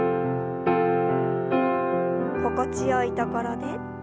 心地よいところで。